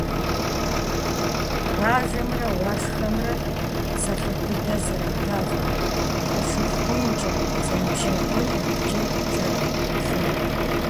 Бажэмрэ Уашхэмрэ псалъэ быдэ зэратащ лӀэжыхункӀэ зэныбжьэгъуну икӀи зэрыгъэпэжыну.